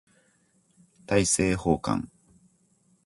大政奉還